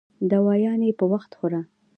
دوايانې په وخت خوره